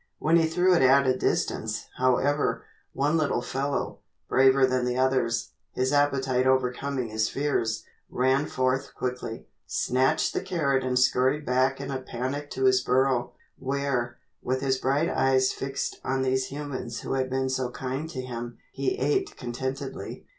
When he threw it at a distance, however, one little fellow, braver than the others, his appetite overcoming his fears, ran forth quickly, snatched the carrot and scurried back in a panic to his burrow, where, with his bright eyes fixed on these humans who had been so kind to him, he ate contentedly.